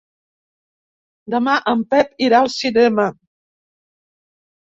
Demà en Pep irà al cinema.